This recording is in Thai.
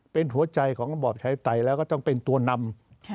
เป็นหัวใจของระบบขยัดไตแล้วก็ต้องเป็นตัวนำ